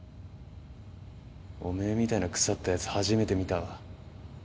おめえみたいな腐ったやつ初めて見たわ。